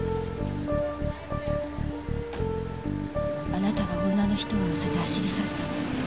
〔あなたは女の人を乗せて走り去ったわ〕